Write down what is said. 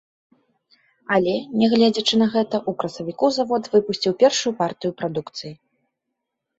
Але, не гледзячы на гэта, у красавіку завод выпусціў першую партыю прадукцыі.